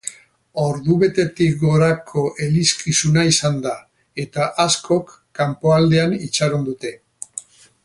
Ordubetetik gorako elizkizuna izan da, eta askok kanpoaldean itxaron dute.